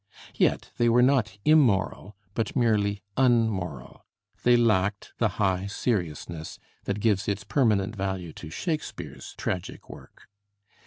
Yet they were not immoral, but merely unmoral. They lacked the high seriousness that gives its permanent value to Shakespeare's tragic work.